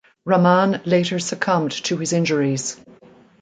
Raman later succumbed to his injuries.